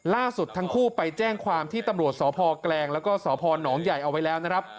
ล่าสุดทั้งคู่ไปแจ้งความที่ตำรวจสพแกลงแล้วก็สพนใหญ่เอาไว้แล้วนะครับ